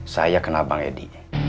saya kenal bang edi